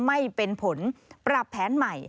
ไม่เป็นผลปรับแผนใหม่